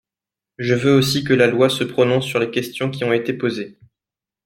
Je veux aussi que la loi se prononce sur les questions qui ont été posées.